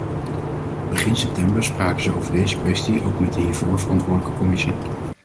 Begin september spraken ze over deze kwestie ook met de hiervoor verantwoordelijke commissie.